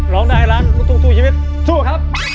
ร้องน้ายอาหารทุกชีวิตสู้ครับ